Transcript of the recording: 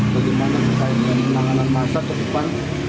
bagaimana kita akan menanganan masa ke depan